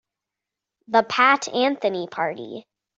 The Pat Anthony Party.